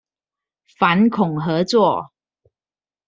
反恐合作